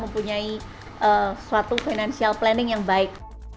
mempunyai suatu financial planning yang baik